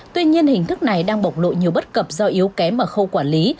tuy nhiên hình thức này đang bộc lộ nhiều bất cập do yếu kém ở khâu quản lý